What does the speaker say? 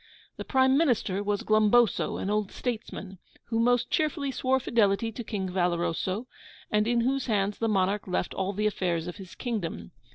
The Prime Minister was Glumboso, an old statesman, who most cheerfully swore fidelity to King Valoroso, and in whose hands the monarch left all the affairs of his kingdom.